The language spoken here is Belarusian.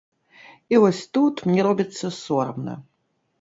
І вось тут мне робіцца сорамна.